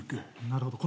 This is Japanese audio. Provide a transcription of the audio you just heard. なるほど。